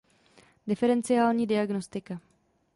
Diferenciální diagnostika.